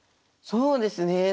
そうですね。